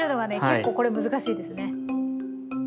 結構これ難しいですね。